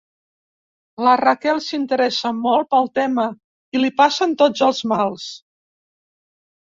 La Raquel s'interessa molt pel tema i li passen tots els mals.